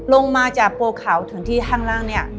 ลงมาจากโปรเขาถึงที่ข้างล่างเนี่ย